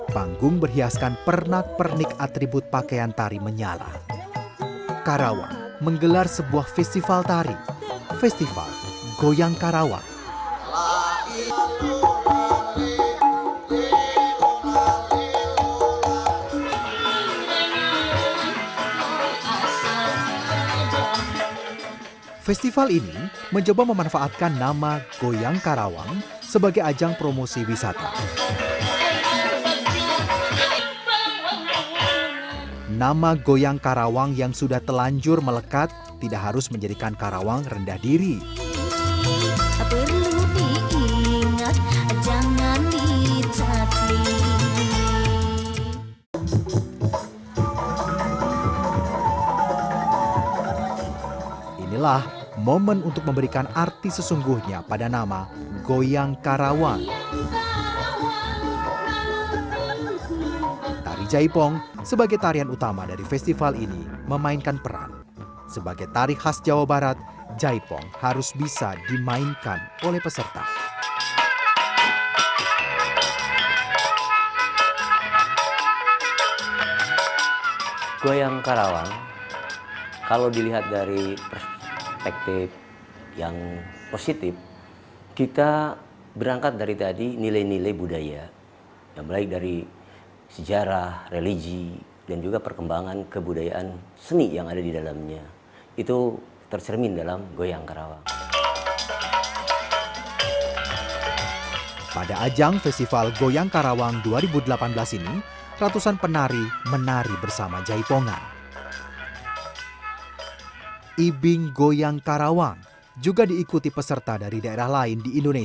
bukan pakem dari sebuah seni kerajaan